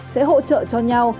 sẽ hỗ trợ cho nhau